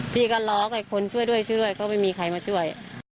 พี่ก็ล็อกคนช่วยด้วยก็ไม่มีใครมาช่วย